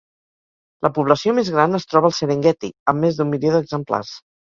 La població més gran es troba al Serengueti, amb més d'un milió d'exemplars.